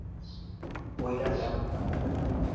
বইটা কেমন?